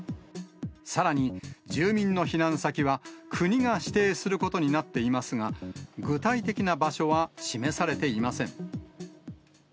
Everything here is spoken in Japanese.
さらに住民の避難先は国が指定することになっていますが、具体的な場所は示されていません。